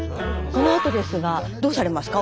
このあとですがどうされますか？